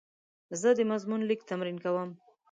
زه د مضمون لیک تمرین کوم.